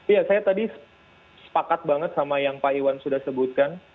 iya saya tadi sepakat banget sama yang pak iwan sudah sebutkan